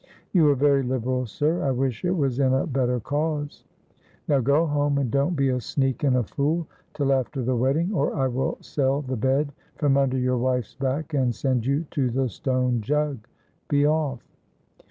"You are very liberal, sir. I wish it was in a better cause." "Now go home, and don't be a sneak and a fool till after the wedding, or I will sell the bed from under your wife's back, and send you to the stone jug. Be off."